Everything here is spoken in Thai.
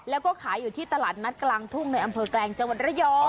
แล้วก็ขายอยู่ที่ตลาดนัดกลางทุ่งในอำเภอแกลงจังหวัดระยอง